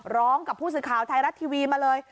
ร้องกับผู้สื่อข่าวไทยรัฐทีวีมาเลย